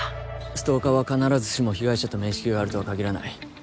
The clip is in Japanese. ストーカーは必ずしも被害者と面識があるとはかぎらない。